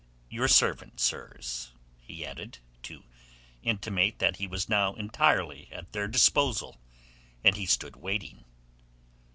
Your servant, sirs," he added to intimate that he was now entirely at their disposal, and he stood waiting.